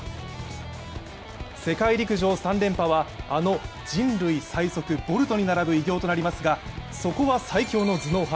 世界陸上３連覇はあの人類最速・ボルトに並ぶ偉業となりますが、そこは最強の頭脳派。